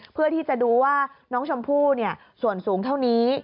เพื่อที่จะดูว่าน้องชมพู่ส่วนสูงเท่านี้